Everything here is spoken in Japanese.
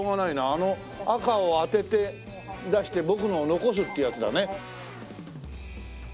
あの赤を当てて出して僕のを残すってやつだね。